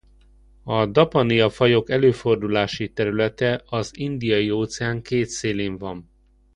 A Dapania-fajok előfordulási területe az Indiai-óceán két szélén van.